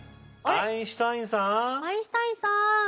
アインシュタインさん。